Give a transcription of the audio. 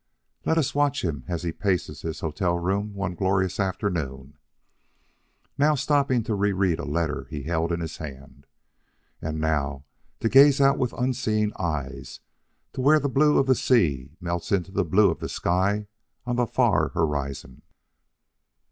Let us watch him as he paces his hotel room one glorious afternoon, now stopping to re read a letter he held in his hand, and now to gaze out with unseeing eyes to where the blue of the sea melts into the blue of the sky on the far horizon.